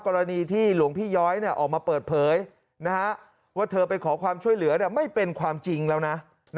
กรณีที่หลวงพี่ย้อยออกมาเปิดเผยว่าเธอไปขอความช่วยเหลือไม่เป็นความจริงแล้วนะ